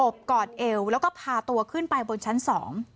กอดเอวแล้วก็พาตัวขึ้นไปบนชั้นสอง